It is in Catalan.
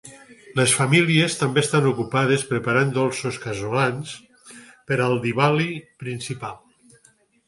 Les famílies també estan ocupades preparant dolços casolans per al Divali principal.